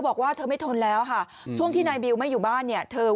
บอกว่าเธอไม่ทนแล้วค่ะช่วงที่นายบิวไม่อยู่บ้านเนี่ยเธอ